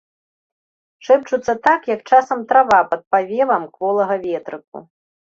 Шэпчуцца так, як часам трава пад павевам кволага ветрыку.